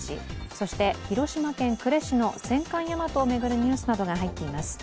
そして広島県呉市の戦艦「大和」を巡るニュースなどが入っています。